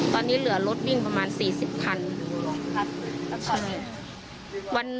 ตอนนี้เหลือรถวิ่งประมาณ๔๐คัน